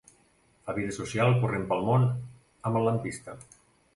Fa vida social corrent pel món amb el lampista.